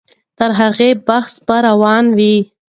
تر هغې بحث به روان وي.